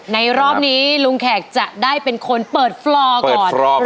รอบนี้ลุงแขกจะได้เป็นคนเปิดฟลอร์ก่อน